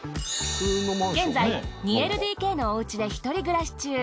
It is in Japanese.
現在２ＬＤＫのお家で一人暮らし中。